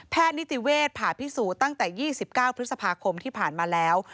นิติเวศผ่าพิสูจน์ตั้งแต่๒๙พฤษภาคมที่ผ่านมาแล้ว